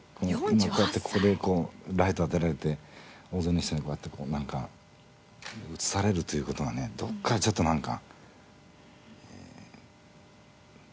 今こうやってここでこうライト当てられて大勢の人にこうやってこうなんか映されるという事がねどこかでちょっとなんか。